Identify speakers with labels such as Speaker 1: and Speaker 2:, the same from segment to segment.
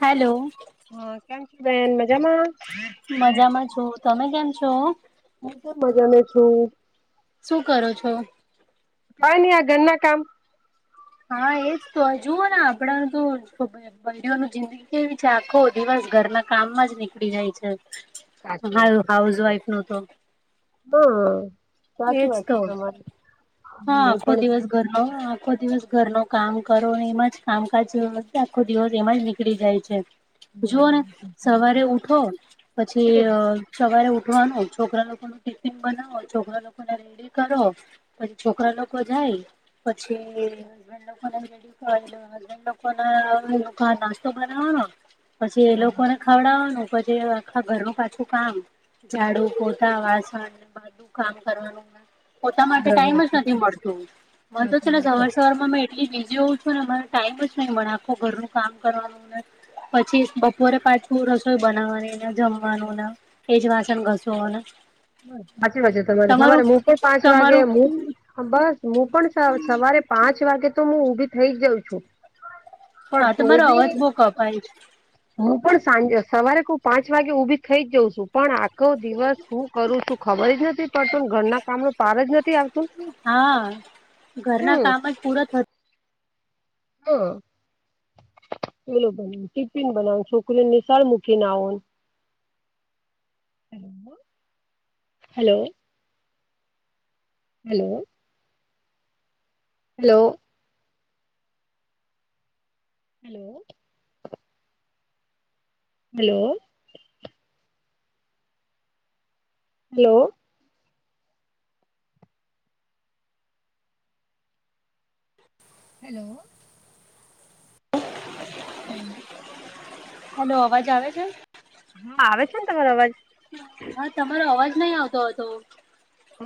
Speaker 1: Hello.
Speaker 2: હા કેમ છે, બેન મજામાં?
Speaker 1: મજામાં છું તમે કેમ છો?
Speaker 2: હું પણ મજામેં છું.
Speaker 1: શું કરો છો?
Speaker 2: કઈની આ ઘરના કામ
Speaker 1: હા એજ તો જુ હો ને આપડા તો [unintelligible] બયરીઓ નુ જિંદગી કેવી છે, આખો દિવસ ઘરના કામમાં જ નીકળી જાય છે.
Speaker 2: સાચી
Speaker 1: હા
Speaker 2: વાત છે
Speaker 1: હાઉસ
Speaker 2: તમારી
Speaker 1: વાઈફ નો તો
Speaker 2: હા સાચી
Speaker 1: એજ
Speaker 2: વાત છે,
Speaker 1: તો
Speaker 2: તમારે
Speaker 1: હા
Speaker 2: હું
Speaker 1: આખો
Speaker 2: પણ
Speaker 1: દિવસ ઘરનો આખો દિવસ ઘર ન કામ કરો એમાં જ કામકાજ આખો દિવસ એમાં જ ની કળી જાય છે, જુઓ ને સવારે
Speaker 2: બરાબર
Speaker 1: ઉઠો પછી સવારે ઉઠવાનું છોકરા લોકો નુ ટિફિન બનાવો છોકરા લો કોને રેડી કરો પછી છોકરા લોકો જાય પછી હબન્ડ લોકો રેડી હસબન્ડ લોકો ના એ લોકો નાસ્તો બનાવાનો પછી એ લોકોને ખવડાવવાનું પછી આખા ઘરનું પાછું કામ ઝાડુ, પોતા, વાસણ ને બધું કામ કરવાનુ પોતા માટે ટાઈમ જ
Speaker 2: છે
Speaker 1: નથી મળતું મતો છે,
Speaker 2: સાચી
Speaker 1: ને
Speaker 2: વાત
Speaker 1: સવાર સવારમાં મે એટલી બીજી હોવું છું ને મને ટાઈમ જ નહી આખુ ઘરનું કામ કરવાનું ને પછી બપોરે પાછું રસોઈ બનાવવાની જમવાનુંન એજ વાસન ઘસું હોને
Speaker 2: હાચી વાત છે, તમારે સવારે મુ પણ પાંચ વાગે
Speaker 1: તમારું
Speaker 2: મુ બસ મુ પણ સવારે પાંચ વાગે તો મુ ઊભી થઇ જઉં છું.
Speaker 1: હા તમારો અવાજ બહો કપાય
Speaker 2: મુ પણ સાંજે સવારે કો પાંચ વાગે ઉભી થઇ જ જાઉં છું પણ આખો દિવસ હું કરું છું ખબર જ નથી પડતું ઘરના કામ ન પાર જ નથી આવતું
Speaker 1: હા. ઘરના
Speaker 2: હમ
Speaker 1: કામ જ પૂરા થ
Speaker 2: [inaudible] પેલો બનાવ ટિફિન બનાવ છોકરીને નિશાળ મૂકી ના આવન
Speaker 1: [inaudible]
Speaker 2: hello. Hello. Hello hello. Hello. Hello hello. Hello
Speaker 1: hello અવાજ આવે છે?
Speaker 2: હા આવે છેને, તમારો અવાજ.
Speaker 1: હા તમારો અવાજ નહી આવતો હતો.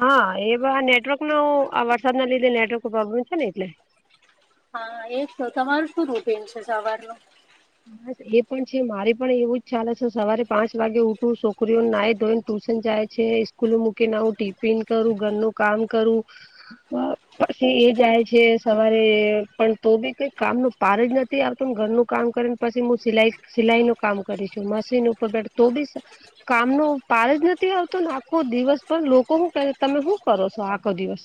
Speaker 2: હા એ બ આ નેટવર્ક ન આ વરસાદ ના લીધે નેટવર્ક ન પ્રોબ્લેમ છેને, એટલે.
Speaker 1: હા એ તો તમારું શું રૂટિન છે સવારનું?
Speaker 2: બસ એ પણ છે મારે પણ એવું જ ચાલે હ છે સવારે પાંચ વાગે ઉઠવું છોકરીઓને ના ધોઈને ટ્યુશન જાય છે સ્કૂલે મૂકીને આવું ટિફિન કરું ઘરનું કામ કરું પછી એ જાય છે સવારે પણ તો બી કઈ કામ ન પાર જ ન આવતો ઘરનું કામ કરી ને પછી સિલાઈ સિલાઈ નું કામ કરીશું મશીન ઉપર બેઠ તો બી કામનો પાર જ નથી આવતો ને આખો દિવસ પણ લોકો શું કે તમે શું કરો છો આખો દિવસ.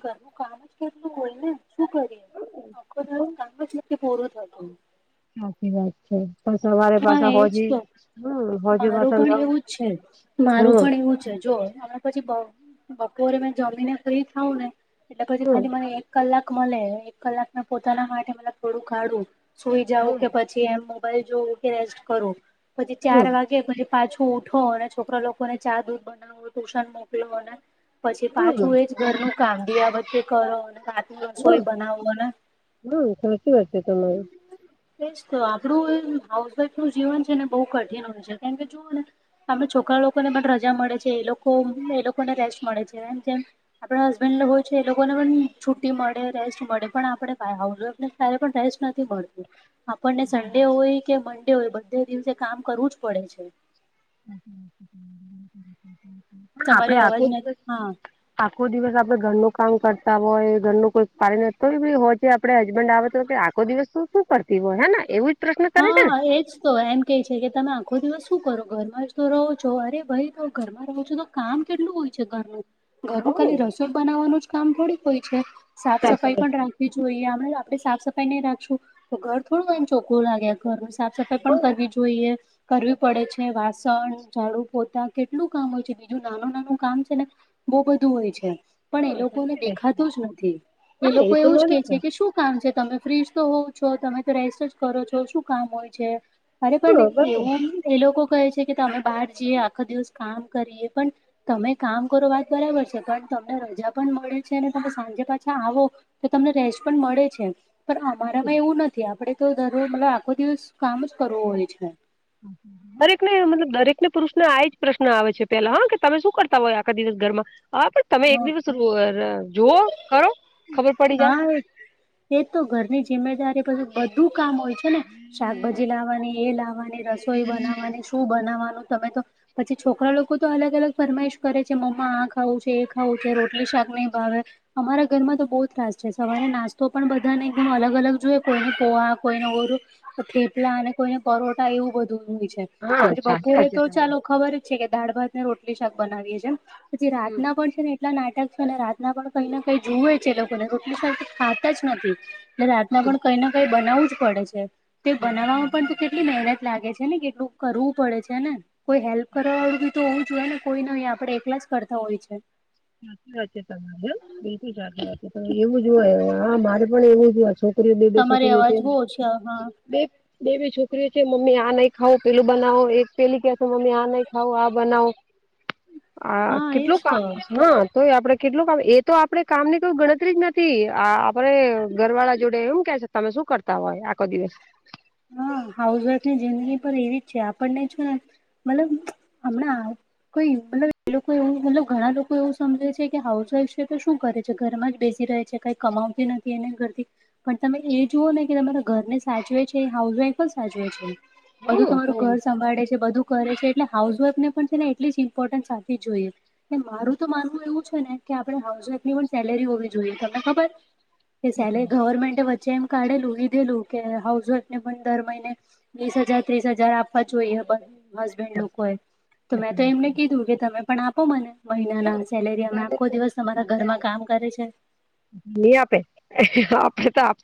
Speaker 1: કરું કામ જ કરલું હોયને શું કરીએખ કામ જ પૂર થતુ
Speaker 2: સાચી વાત છે બસ અરે
Speaker 1: હા
Speaker 2: પાસે
Speaker 1: એજ
Speaker 2: હોજે.
Speaker 1: તો મારું પણ એવું જ છે, મારુ
Speaker 2: હમ
Speaker 1: પણ એવું છે જો પછી બપોરે મે જમીને ફ્રી ખાવં ને એટલે પછી
Speaker 2: હમ
Speaker 1: ખાલી કલાક મળે એક કલાક પોતાના માટે મ થોડું કાઢું સુઈ જવું
Speaker 2: હમ
Speaker 1: કે પી પછી એમ મોબાઈલ જોવુ, કે રેસ્ટ કરો પછી ચાર વાગે કે પછી પાછું ઉઠો અને છોકરા, લોકોને ચા દૂધ બનાવો ટુશન મોકલો અને પછી પાછું
Speaker 2: હમ
Speaker 1: એ જ ઘરનું કામ દીવા બત્તી કરો અને રસોઈ
Speaker 2: હમ
Speaker 1: બનાવોને
Speaker 2: હમ સાચી વાત છે તમારી
Speaker 1: એજ તો આપણું હાઉસવાઈફ નું જીવન છે ને બહુ કઠિન હોય છે કેમ કે જુઓને આપણા છોકરા લોકોને પણ રજા મળે છે, એ લોકો એ લોકોને રેસ્ટ મળે છેમ જેમ આપણા હસબેન્ડ હોય છે એ લોકોને પણ છુી મળે રેસ્ટ મળે પણ આપડે એ ત્યારે પણ ટેસ્ટ નથી મળતું આપણને સન્ડે હોય, કે મન્ડે હોય બધે દિવસે કામ કરવું જ પડે છે.
Speaker 2: પણ આપડે
Speaker 1: તમારી અવાજ
Speaker 2: આખો
Speaker 1: નથી
Speaker 2: દસ
Speaker 1: હા
Speaker 2: આખો દિવસ આપડે ઘરનું કામ કરતા હોય ઘરનું કોઈ પાણીય બી હોય છે આપડે હસબન્ડ આવે તો દિવસ શું કરતી હોય હે ને એવું જ પ્રશ્ન કરે છે
Speaker 1: હા
Speaker 2: ને
Speaker 1: એ જ તો એમ કે છે કે તમે આખો દિવસ શું કરો ઘરમાં જ તો રહો છો, અરે ભાઈ તો ઘરમાં રહો છો તો કામ કેટલું હોય છે, ઘરનુ ઘરનું
Speaker 2: હવ
Speaker 1: ખાલી રસોઈ બનાવવાનું જ કામ થોડીક હોય છે સાફ
Speaker 2: સાચી
Speaker 1: સફાઈ પણ રાખ જોઈએ આપણે સાફ સફાઈ નહી, રાખશું તો ઘર થોડું એમ ચોખ્ખું લાગે ઘ સાફ સફાઈ પણ
Speaker 2: વાત
Speaker 1: કરવી જોઈએ. કરવી પડે છે વાસણ ઝાડુ પોતા કેટલું કામ હોય છે બીજું નાનું નાનું કામ છે ને, બહુ બધું હોય છે પણ એ લોકોને
Speaker 2: છે.
Speaker 1: દેખાતું જ નથી એ
Speaker 2: હા
Speaker 1: લોકો
Speaker 2: તો
Speaker 1: એવું જ
Speaker 2: ના
Speaker 1: કે છે,
Speaker 2: દેખાય
Speaker 1: કે શું? કામ છે તમે ફ્રીજ તો હોવ છો તમે તો રેસ્ટ જ કરો છો શું કામ હોય છે. અરે
Speaker 2: હા
Speaker 1: પણ
Speaker 2: બરોબર
Speaker 1: એવું એ લોકો કહે છે, કે તમે બહાર જઈએ આખો દિવસ કામ કરીએ પણ તમે કામ કરો વાત બરાબર છે પણ તમને રજા પણ મળે છે, અને તમે સાંજે પાછા આવો તો તમને રેસ્ટ પણ મળે છે. પણ અમારામાં એવું નથી, આપડે તો દરરોજ મતલબ આખો દિવસ કામ જ કરવું હોય છે.
Speaker 2: હમ્મ હમ્મ દરેકને મતલબ દરેક ને પુરુષને આ એ જ પ્રશ્ન આવે છે, પેલા હા કે તમે શું કરતા હોય આખા દિવસ ઘરમાં હા પણ તમે એક દિવસ જોઓ કરો ખબર પડી
Speaker 1: હા એ એ તો ઘરની જિમ્મેદારી પછી બધું કામ હોય છે, ને શાકભાજી લાવવાની એ લાવવાની રસોઈ બનાવવાની શું બનાવાનું તમે તો પછી છોકરા લોકો તો અલગ અલગ ફરમાઈશ કરે છે, મમ્મા આ ખાવું છે, એ ખાવું છે, રોટલી શાક નહી ભાવે અમારા ઘરમાં તો બો ત્રાસ છે, સવારે નાસ્તો પણ બધાને અલગ અલગ જોઈએ કોઈને પોહા કોઈને ઓરું થેપલા અને કોઈને પરોટા એવું બધું હોય છે,
Speaker 2: જાય હા
Speaker 1: પછી
Speaker 2: સાચી
Speaker 1: બપોરે
Speaker 2: વાત છે
Speaker 1: તો
Speaker 2: તમારી
Speaker 1: ચાલો ખબર છે, કે દાળ ભાત ને રોટલી શાક બનાવીએે છે, પછી
Speaker 2: હમ
Speaker 1: રાતના પણ છે, ને ટલા નાટક છે, ને રાતના પણ કઈ ને કઈ જુએ છે, એ લોકોને રોટલી સા ખાતા જ નથી ને એટલે રાતના પણ કઈ નાને કઈ બનાવું જ પડે છે. તે
Speaker 2: હમ
Speaker 1: બનાવવામાં પણ તો કેટલી મહેનત લાગે છે, ને કેટલું કરવું પડે છે, ને કોઈ હેલ્પ કરવા વાળું બી તો હું જોઈએ ને કોઈ નય આપડે એકલા જ કરતા હોય છે.
Speaker 2: સાચી વાત છે, તમારે બિલકુલ સાચી વાત છે, એવું જ હોય હા મારે પણ એવું જ હોય રે બે બે છોક
Speaker 1: તમારી
Speaker 2: લે છે.
Speaker 1: અવાજ બહુ ઓછી આવે હા
Speaker 2: બે બે બે છોકરીઓ છે, મમ્મી આ નઈ ખાવ પેલું બનાવો એક પેલી કે મમ્મી આ નહી ખાવ આ બનાવો આ
Speaker 1: હા
Speaker 2: કેટલું
Speaker 1: એજ
Speaker 2: કા
Speaker 1: તો
Speaker 2: હા તોય આપડે કેટલું કામ એ તો આપડે કામની કઈ ગણતરી જ નથી આ આપડે ઘર વાળા જોડે એમ કે તમે શું કરતા હોય આખો દિવસ
Speaker 1: હા હાઉસ વાઈફની જિંદગી પર એવી જ છે, ને મતલબ હમણાં કોઈ મતલબ એ લોકો એવું મતલબ ઘણા લોકો એવું સમજે છે, કે હાઉસવાઈફ છે, તો શું કરે છે, ઘરમાં જ બેસી રહે છે. કય કમાવતી નથી એના ઘરતી પણ તમે એ જુઓ ને કે તમારા ઘરને સાચવે જ હાઉસવાઈફ જ સાચવે છે, બધું
Speaker 2: હા તો
Speaker 1: તમારું ઘર સંભાળે છે, બધું કરે છે, એટલે હાઉસઈફને પણ છે, ને એટલી જ ઇમ્પોર્ટન્સ આપવી જોઈએ મારું તો માન એવું છે, ને કે આપડે હાઉસ વાઈફ પણ સેલેરી હોવી જોઈએ તમને ખબર કે સેલેરી ગવર્મેન્ટ વચ્ચે એમ કાઢેલું લીધેલું કે હાઉસ ને પણ દર મહિને વીસ હજાર ત્રીસ હજાર આપવા જોઈએ હસબેન્ડ લોકો એ તો મેં તો એમને કીધું કે તમે પણ આપો મને મહિનાના સેલેરી અમે આખો દિવસ તમારા ઘરમાં કામ કરે છે.
Speaker 2: ની આપે આપે તો આ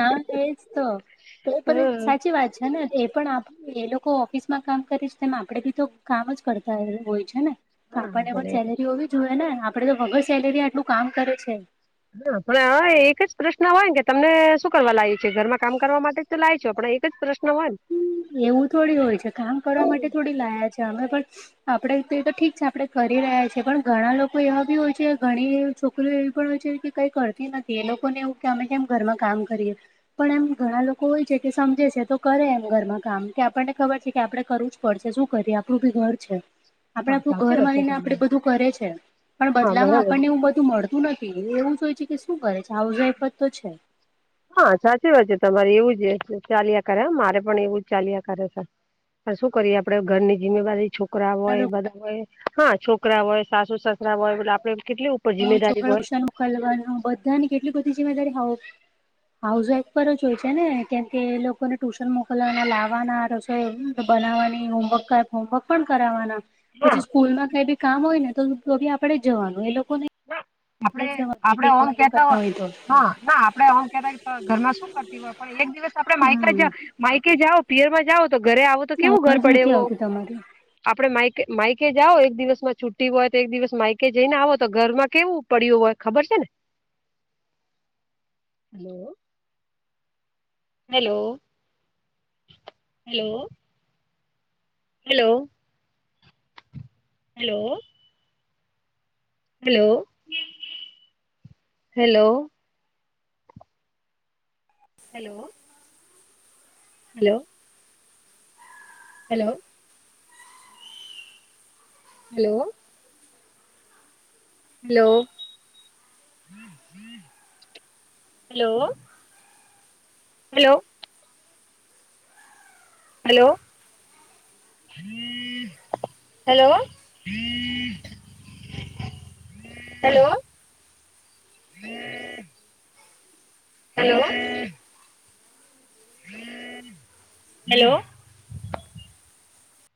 Speaker 1: હા એજ તો એ પણ
Speaker 2: હમ
Speaker 1: સાચી વાત છે, ને એ પણ આ એ લોકો ઓફિસમાં કામ કરીશ તેમ આપડે બી તો કામ જ કરતા હોય છે, ને તો
Speaker 2: હા
Speaker 1: આપણને પણ
Speaker 2: ભલે
Speaker 1: સેલેરી હોવી જોઈએ ને આપડે તો વગર સેલેરી આટલું કામ કરે છે.
Speaker 2: હા પણ આવા એક જ પ્રશ્ન હોય ને કે તમને શું કરવા લાય છે, ઘરમાં કામ કરવા માટે જ તો લાય છે, પણ એક જ પ્રશ
Speaker 1: હમ એવું થોડી હોય છે, કામ કરવા માટે થોડી લાયા છે, અમે પણ આપડે તે ત ઠીક છે, આપણેે કરી રહ્યા છીએ પણ ઘણા લોકો એવા બી હોય છે, ઘણી છોકરીઓ એવી પણ હોય છે. કઈ કરતી નથી એ લોકોને એવું કે અમે કેમ ઘરમાં કામ કરીએ પણ એમ ઘણા લોકો હોય છે, કે સમજે છે, તો કરે એમ ઘરમાં કામ કે આપણને ખબર છે, કે આપડે કરવું જ પડશે શું કરીએ આપણું બી ઘર છે. આપડ
Speaker 2: હા
Speaker 1: આપણું
Speaker 2: સાચી
Speaker 1: ઘર
Speaker 2: વાત છે
Speaker 1: માનીને આપડે
Speaker 2: તમારી
Speaker 1: બધું કરે છે, પણ
Speaker 2: હા
Speaker 1: બદલામાં
Speaker 2: બરાબર
Speaker 1: આપણને એવુ બ તું મળતું નથી એવું જ હોય છે, કે શું કરે છે, હાઉસ વાઈફ જ તો છે.
Speaker 2: હા સાચી વાત છે, તમારે એવું જ ચાલ્યા કરે મારે પણ એવું જ ચાલ્યા કરે છે. શું કરીએ આપડે ઘરની જિમ્મેદારી છોકરા હોય બધા હોય હા છોકરા હોય સાસુ સસરા હોય બ આપડે કેટલી ઉપર
Speaker 1: [unintelligible]
Speaker 2: જિમ્મેદારી
Speaker 1: છોકરાઓને
Speaker 2: હોય.
Speaker 1: ટ્યૂશન મોકલવાનું હોય બધાની કેટલી બધી જીમેદારી હાવો હાઉઝ વાઈફ પર જ હોય છે, ને કેમ કે લોકોને ટુશન મોકલવાના લાવવાના ર બનાવવાની હોમવર્ક હોમવર્ક પણ કરાવવાના પછી
Speaker 2: હા
Speaker 1: સ્કૂલમાં કઈ બી કામ હોય ને તો બી આપણેે જવાનું એ લોકોને
Speaker 2: [inaudible] આપડે
Speaker 1: આપણે જ જવાનું
Speaker 2: આપડે
Speaker 1: મીટિંગ
Speaker 2: ઓમ
Speaker 1: હોય કે
Speaker 2: કેતા
Speaker 1: કઈ તો
Speaker 2: હોય હ ના આપડે ઓમ કેતા હોય તો ઘરમાં શું કરતી હોય. પણ એક દિવસ તો આપડે માઇકે
Speaker 1: હમ
Speaker 2: જા માઈકે જાઓ પિયરમાં જાઓ તો ઘરે આવો તો કેવું ઘર
Speaker 1: અવાજ
Speaker 2: પડે
Speaker 1: નથી
Speaker 2: ઓ
Speaker 1: આવતી તમારી
Speaker 2: આપડે માઈકે માઈકે જાઓ એક દિવસમાં છુટ્ટી હોય તો એક દિવસ માઇકે જઈને આવો તો ઘરમાં કેવું પડ્યું હોય ખબર છે ને hello. Hello hello. Hello hello. Hello hello. Hello. Hello. Hello hello. Hello hello. Hello hello. Hello hello [inaudible] hello. [inaudible] Hello.